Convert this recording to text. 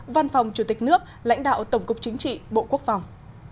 văn phòng chủ tịch nước lãnh đạo tổng cục chính trị bộ quốc phòng